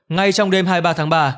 ngay trong đêm hai mươi ba tháng ba